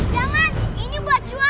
pak mau beli pak